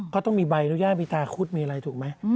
เขาต้องมีใบอนุญาตมีตาคุดมีอะไรถูกไหม